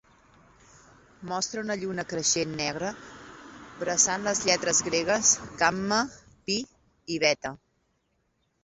Mostra una lluna creixent negra bressant les lletres gregues gamma, phi i beta.